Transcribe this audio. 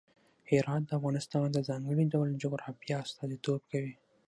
هرات د افغانستان د ځانګړي ډول جغرافیه استازیتوب کوي.